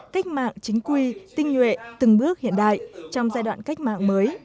cách mạng chính quy tinh nhuệ từng bước hiện đại trong giai đoạn cách mạng mới